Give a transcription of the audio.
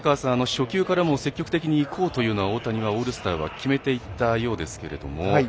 初球からも積極的にいこうというのは大谷は、オールスターは決めていったようですけれども。